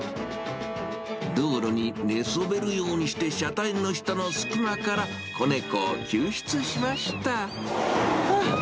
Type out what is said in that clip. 道路に寝そべるようにして車体の下の隙間から子猫を救出しました。